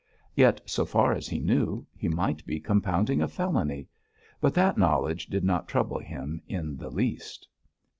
Yet, so far as he knew, he might be compounding a felony; but that knowledge did not trouble him in the least.